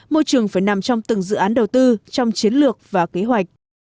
môi trường phải nằm trong từng dự án đầu tư trong chiến lược và kế hoạch